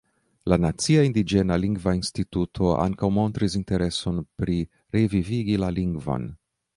La Nacia Indiĝena Lingva Instituto ankaŭ montris intereson pri revivigi la lingvon.